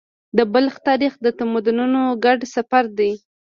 د بلخ تاریخ د تمدنونو ګډ سفر دی.